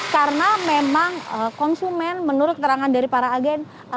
karena memang konsumen menurut keterangan dari para agen